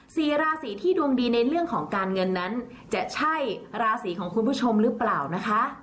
สี่ราศีที่ดวงดีในเรื่องของการเงินนั้นจะใช่ราศีของคุณผู้ชมหรือเปล่านะคะ